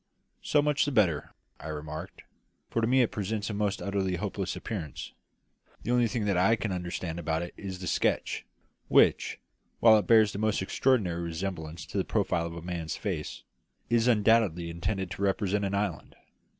"So much the better," I remarked; "for to me it presents a most utterly hopeless appearance. The only thing I can understand about it is the sketch, which, while it bears the most extraordinary resemblance to the profile of a man's face, is undoubtedly intended to represent an island.